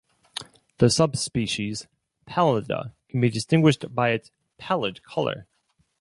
The subspecies "pallida" can be distinguished by its pallid colour.